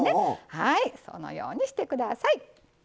はいこのようにしてください。